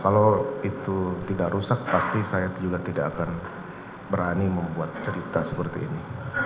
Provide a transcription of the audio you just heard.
kalau itu tidak rusak pasti saya juga tidak akan berani membuat cerita seperti ini